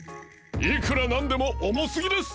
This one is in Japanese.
いくらなんでもおもすぎです。